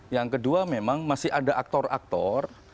yang kedua memang masih ada aktor aktor